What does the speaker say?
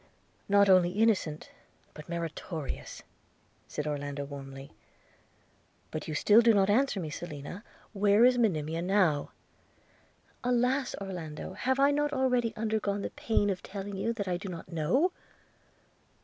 'Not only innocent, but meritorious,' said Orlando warmly; 'but you still do not answer me, Selina, where is Monimia now?' 'Alas! Orlando, have I not already undergone the pain of telling you that I do not know?'